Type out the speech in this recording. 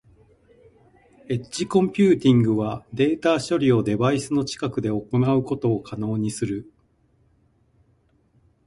エッジコンピューティングはデータ処理をデバイスの近くで行うことを可能にする。